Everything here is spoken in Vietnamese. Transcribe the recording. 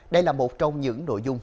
đây là một trong những nội dung